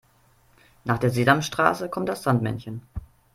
Nach der Sesamstraße kommt das Sandmännchen.